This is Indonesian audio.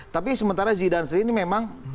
tapi sementara zidane sendiri ini memang